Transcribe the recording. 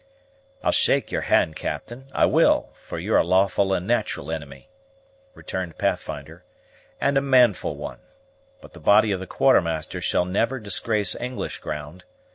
_" "I'll shake your hand, Captain, I will; for you're a lawful and nat'ral inimy," returned Pathfinder, "and a manful one; but the body of the Quartermaster shall never disgrace English ground.